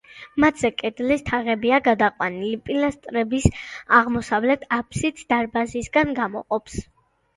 მათზე კედლის თაღებია გადაყვანილი, პილასტრების აღმოსავლეთ აფსიდს დარბაზისგან გამოყოფს.